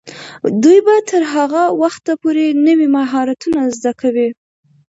دوی به تر هغه وخته پورې نوي مهارتونه زده کوي.